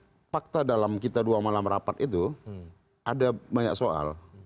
karena memang fakta dalam kita dua malam rapat itu ada banyak soal